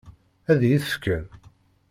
Ad iyi-t-fken?